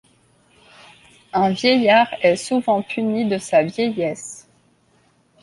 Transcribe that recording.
Un vieillard est souvent puni de sa vieillesse